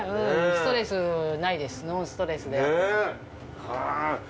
ストレスないですノンストレスで。ねぇ。